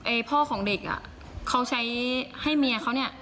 พ่อของเด็กอ่ะเขาใช้ให้เมียเขาเนี่ย